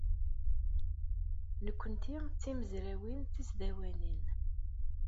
Nekkenti d timezrawin tisdawanin.